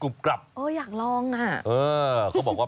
มีกลิ่นหอมกว่า